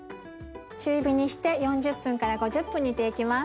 中火にして４０分から５０分煮ていきます。